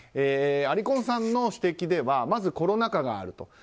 アリコンさんの指摘ではまずコロナ禍があると。